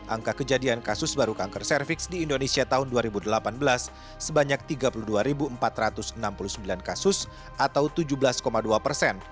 angka kejadian kasus baru kanker cervix di indonesia tahun dua ribu delapan belas sebanyak tiga puluh dua empat ratus enam puluh sembilan kasus atau tujuh belas dua persen